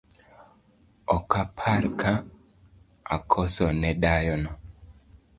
Okapar ka akoso ne dayono